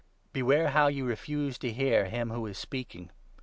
Beware how you refuse to hear 25 him who is speaking.